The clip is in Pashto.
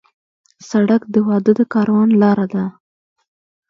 سړک د واده د کاروان لار ده.